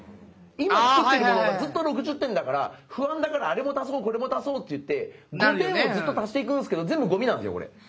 今作ってるものがずっと６０点だから不安だからあれも足そうこれも足そうっていって５点をずっと足していくんすけど全部ゴミなんですよこれ。